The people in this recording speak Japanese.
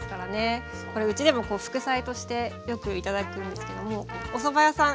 これうちでも副菜としてよく頂くんですけどもおそば屋さん